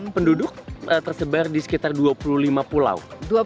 empat puluh tujuh penduduk tersebar di sekitar dua puluh lima pulau